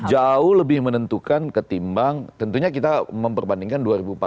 jauh lebih menentukan ketimbang tentunya kita memperbandingkan dua ribu empat belas dua ribu sembilan belas